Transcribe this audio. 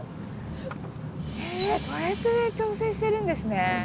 へえこうやって調整してるんですね。